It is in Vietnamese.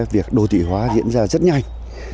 việc đô thị hóa diễn ra rất nhanh